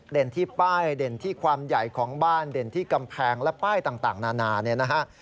ที่ป้ายเด่นที่ความใหญ่ของบ้านเด่นที่กำแพงและป้ายต่างนานาเนี่ยนะฮะ